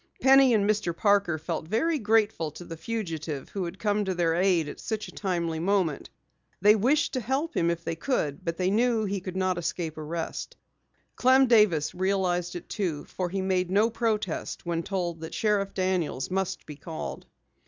Penny and Mr. Parker felt very grateful to the fugitive who had come to their aid at such a timely moment. They wished to help him if they could, but they knew he could not escape arrest. Clem Davis realized it too, for he made no protest when told that Sheriff Daniels must be called.